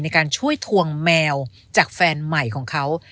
ในการช่วยทวงแมวจากแฟนใหม่ของเขา